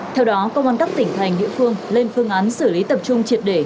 theo đó công an các tỉnh thành địa phương lên phương án xử lý tập trung triệt để